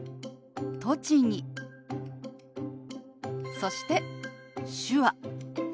そして「手話」。